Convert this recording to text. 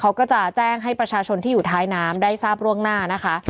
เขาก็จะแจ้งให้ประชาชนที่อยู่ท้ายน้ำได้ทราบร่วงหน้านะคะ